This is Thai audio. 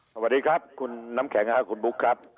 สวัสดีครับคุณน้ำแข็งคุณบุ๊คครับ